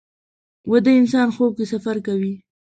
ویده انسان خوب کې سفر کوي